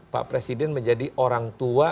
pak presiden menjadi orang tua